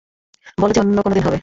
বল যে অন্য কোনোদিন হবে।